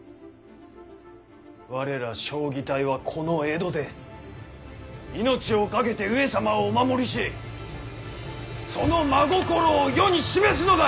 我ら彰義隊はこの江戸で命をかけて上様をお守りしその真心を世に示すのだ！